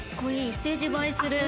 ステージ映えする。